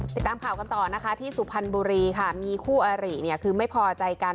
ติดตามข่าวกันต่อนะคะที่สุพรรณบุรีค่ะมีคู่อาริเนี่ยคือไม่พอใจกัน